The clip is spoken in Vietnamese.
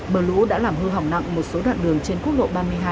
mưa lũ đã làm hư hỏng nặng một số đoạn đường trên quốc lộ ba mươi hai